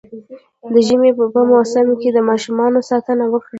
د ژمي په موسم کي د ماشومانو ساتنه وکړئ